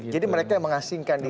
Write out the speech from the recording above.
jadi mereka yang mengasingkan dirinya